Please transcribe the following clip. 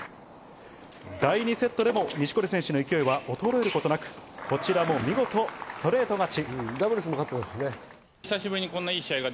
第２セットでも錦織選手の勢いは衰えることなく、こちらも見事ストレート勝ち。